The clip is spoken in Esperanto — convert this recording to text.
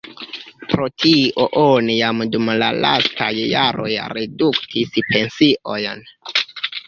Pro tio oni jam dum la lastaj jaroj reduktis pensiojn.